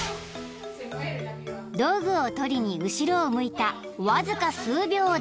［道具を取りに後ろを向いたわずか数秒で］